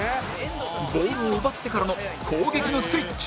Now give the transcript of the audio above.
ボールを奪ってからの攻撃のスイッチ